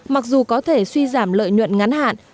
mặc dù có thể suy giảm lợi nhuận ngắn hạn